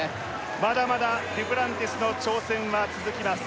まだまだデュプランティスの挑戦は続きます